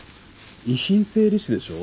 遺品整理士でしょ？